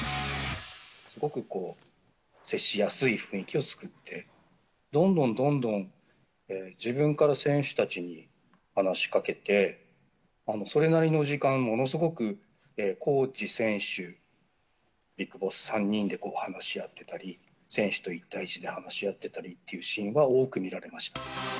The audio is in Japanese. すごく接しやすい雰囲気を作って、どんどんどんどん自分から選手たちに話しかけて、それなりの時間、ものすごくコーチ、選手、ビッグボス３人で話し合ってたり、選手と１対１で話し合ってたりっていうシーンが多く見られました。